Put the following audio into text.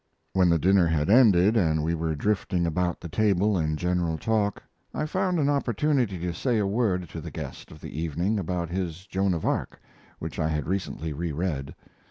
When the dinner had ended, and we were drifting about the table in general talk, I found an opportunity to say a word to the guest of the evening about his Joan of Arc, which I had recently re read.